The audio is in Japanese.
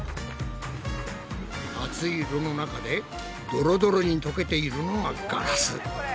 熱い炉の中でドロドロに溶けているのがガラス。